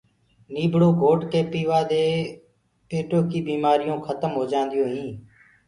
نيٚڀڙو گھوٽ ڪي پيوآ دي پيٽو ڪيٚ بيمآريونٚ کتم هوجآنٚديونٚ هينٚ